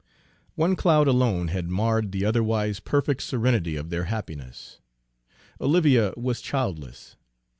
One cloud alone had marred the otherwise perfect serenity of their happiness. Olivia was childless.